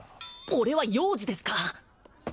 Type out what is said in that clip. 俺は幼児ですか！